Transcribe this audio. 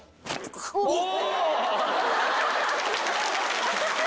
おっ？